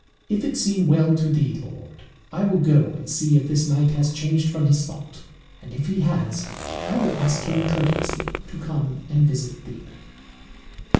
If it seem well to thee, lord, I will go and see if this knight has changed from his thought, and if he has, I will ask him courteously to come and visit thee."